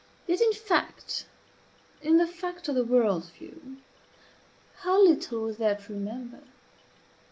Yet in fact in the fact of the world's view how little was there to remember!